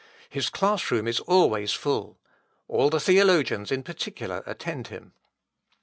His class room is always full. All the theologians in particular attend him.